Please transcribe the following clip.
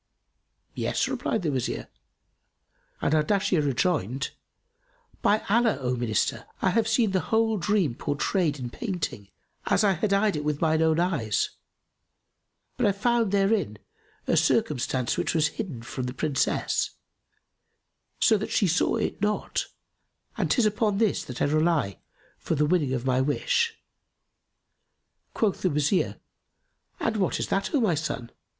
"Yes," replied the Wazir; and Ardashir rejoined, "By Allah, O Minister, I have seen the whole dream pourtrayed in painting, as I had eyed it with mine own eyes; but I found therein a circumstance which was hidden from the Princess, so that she saw it not, and 'tis upon this that I rely for the winning of my wish." Quoth the Wazir, "And what is that, O my son?"